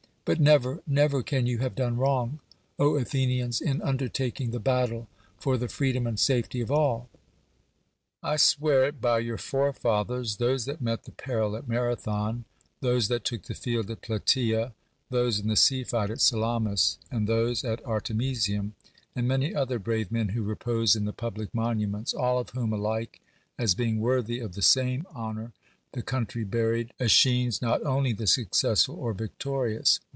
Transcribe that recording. But never, never can you have done wrong, Athenians, in undertaking the battle for the freedom and safet}^ of all ! I swear it by your forefathers — those that met the peril at Marathon, those that took the field at PlatEea, those in the sea fight at Salamis, and those at Artemisium, and many other brave men who repose in the public monuments, all of whom alike, as being worthy of the same honor, the country buried, ^schines, not only the success ful or victorious!